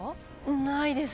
ないです。